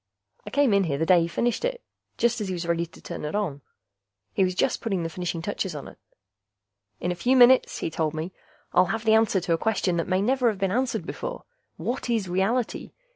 I came in here the day he finished it, just as he was ready to turn it on. He was just putting the finishing touches on it. "In a few minutes," he told me, "I'll have the answer to a question that may never have been answered before: what is reality?